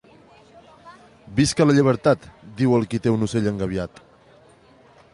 Visca la llibertat!... diu el qui té un ocell engabiat.